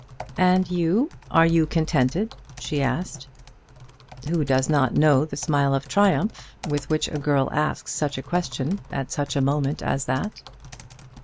"And you; are you contented?" she asked. Who does not know the smile of triumph with which a girl asks such a question at such a moment as that?